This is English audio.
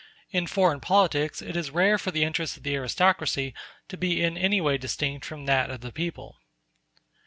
In foreign politics it is rare for the interest of the aristocracy to be in any way distinct from that of the people.